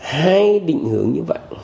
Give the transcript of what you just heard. hai định hướng như vậy